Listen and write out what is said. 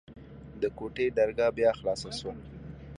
د کوټې درګاه بيا خلاصه سوه.